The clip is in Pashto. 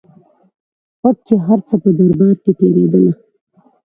پټ چي هر څه په دربار کي تېرېدله